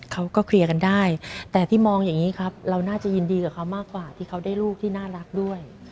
เขาก็เคลียร์กันได้แต่ที่มองอย่างนี้ครับเราน่าจะยินดีกับเขามากกว่าที่เขาได้ลูกที่น่ารักด้วย